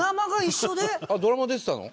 あっドラマ出てたの？